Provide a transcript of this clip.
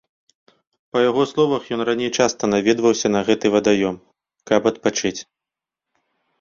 Па яго словах ён раней часта наведваўся на гэты вадаём, каб адпачыць.